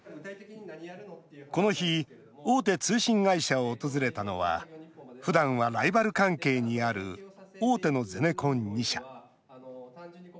この日大手通信会社を訪れたのはふだんはライバル関係にある大手のゼネコン２社。